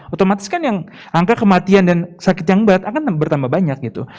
otomatis kan yang angka kematian dan sakit yang berat akan bertambah banyak gitu